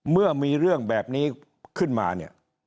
เมื่อมีเรื่องแบบนี้ขึ้นมาเนี่ย